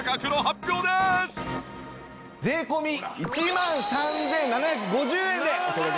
税込１万３７５０円でお届けします。